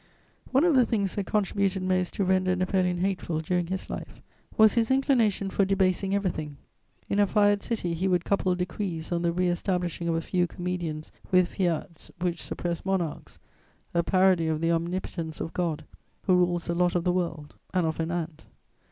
One of the things that contributed most to render Napoleon hateful during his life was his inclination for debasing everything: in a fired city, he would couple decrees on the re establishing of a few comedians with fiats which suppressed monarchs; a parody of the omnipotence of God, who rules the lot of the world and of an ant.